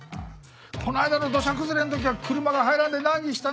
この間の土砂崩れの時は車が入らんで難儀したなあ。